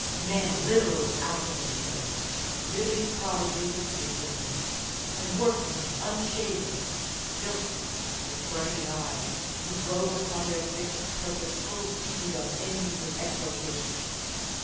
Men literally out of themselves, living prodigies of sleeplessness and work men unshaven, filthy, with burning eyes, who drove upon their fixed purpose full speed on engines of exaltation.